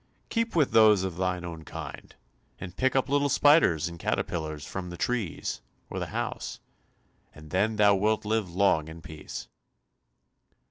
Keep with those of thine own kind, and pick up little spiders and caterpillars from the trees, or the house, and then thou wilt live long in peace."